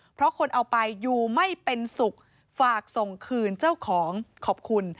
เพราะคนเอาไปอยู่ไม่เป็นสุขฝากส่งคืนเจ้าของขอบคุณ